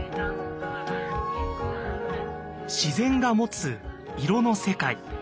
自然が持つ色の世界。